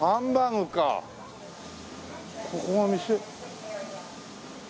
ここが店？